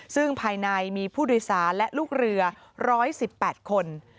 ซึ่งภายในมีผู้โดยสารและลูกเรือ๑๑๘คน